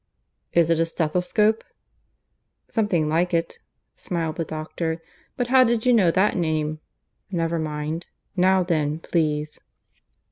"Is it a stethoscope?" "Something like it," smiled the doctor. "But how did you know that name? Never mind. Now then, please."